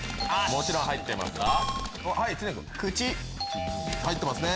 もちろん入ってますね。